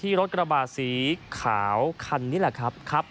รถกระบาดสีขาวคันนี้แหละครับ